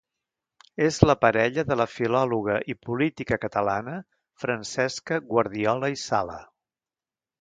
És la parella de la filòloga i política catalana Francesca Guardiola i Sala.